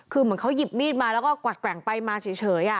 คือเหมือนเขาหยิบมีดมาแล้วก็กวัดแกว่งไปมาเฉย